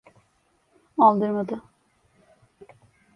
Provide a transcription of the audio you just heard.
Aldırmadı…